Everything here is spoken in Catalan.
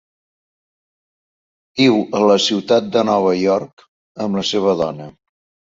Viu a la ciutat de Nova York amb la seva dona.